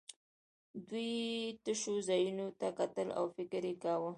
دوی تشو ځایونو ته کتل او فکر یې کاوه